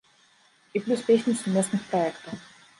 І плюс песні з сумесных праектаў.